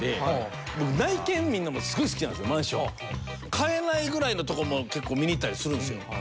買えないぐらいのとこも結構見に行ったりするんですよ。